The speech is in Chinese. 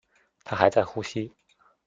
她还在呼吸